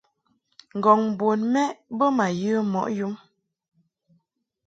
Ngɔŋ bun mɛʼ bə ma ye mɔʼ yum.